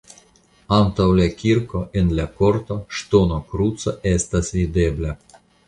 Antaŭ la kirko en la korto ŝtona kruco estas videbla.